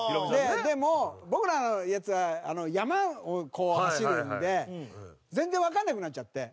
でも、僕らのやつは山を走るので全然わからなくなっちゃって。